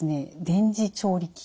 電磁調理器。